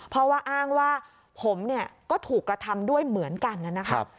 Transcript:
เพราะว่าอ้างว่าผมเนี่ยก็ถูกกระทำด้วยเหมือนกันนะครับ